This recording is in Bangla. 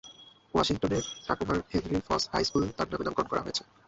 ওয়াশিংটনের টাকোমার হেনরি ফস হাই স্কুল তার নামে নামকরণ করা হয়।